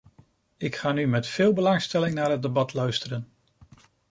Ik ga nu met veel belangstelling naar het debat luisteren.